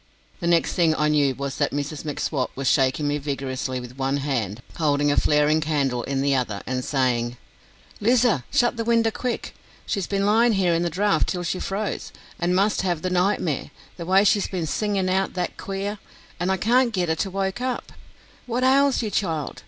The next thing I knew was that Mrs M'Swat was shaking me vigorously with one hand, holding a flaring candle in the other, and saying: "Lizer, shut the winder quick. She's been lyin' here in the draught till she's froze, and must have the nightmare, the way she's been singin' out that queer, an' I can't git her woke up. What ails ye, child?